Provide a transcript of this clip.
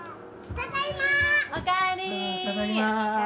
ただいま。